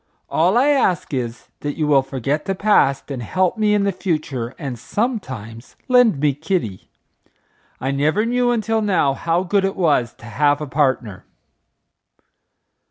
All I ask is, that you will forget the past and help me in the future and sometimes lend me Kitty. I never knew until now how good it was to have a partner."